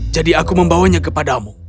jadi aku membawanya kepadamu